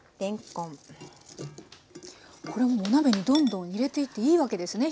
これもうお鍋にどんどん入れていっていいわけですね